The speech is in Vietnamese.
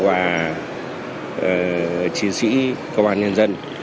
của chiến sĩ cơ quan nhân dân